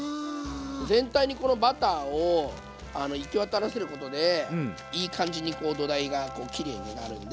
全体にこのバターを行き渡らせることでいい感じに土台がきれいになるんで。